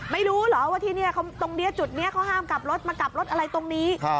ไม่รู้เหรอว่าที่นี่ตรงนี้จุดนี้เขาห้ามกลับรถมากลับรถอะไรตรงนี้